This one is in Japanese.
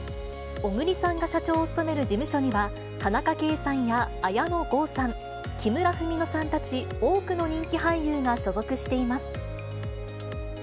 小栗さんが社長を務める事務所には、田中圭さんや綾野剛さん、木村文乃さんたち多くの人気俳優が所属しています。